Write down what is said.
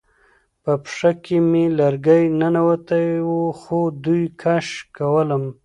په پښه کې مې لرګی ننوتی و خو دوی کش کولم